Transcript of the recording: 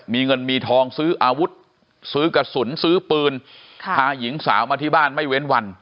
มีเงินมีทองซื้ออาวุธซื้อกระสุนซื้อปืนพาหญิงสาวมาที่บ้านไม่เว้นวัน